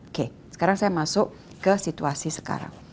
oke sekarang saya masuk ke situasi ini